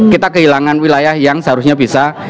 kita kehilangan wilayah yang seharusnya bisa